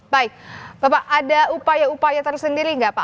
baik bapak ada upaya upaya tersendiri nggak pak